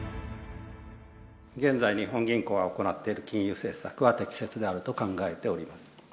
現在、日本銀行が行っている金融政策は適切であると考えております。